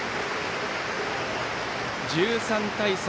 １３対３。